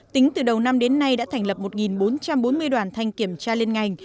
tính từ đầu năm đến nay đã thành lập một bốn trăm bốn mươi đoàn thanh kiểm tra liên ngành